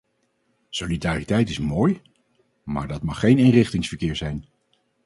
Solidariteit is mooi, maar dat mag geen eenrichtingsverkeer zijn!